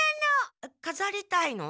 かざりたいの？